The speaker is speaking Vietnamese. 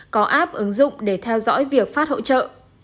có app ứng dụng để theo dõi việc phát hỗ trợ